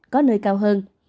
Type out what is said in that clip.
có nơi cao hơn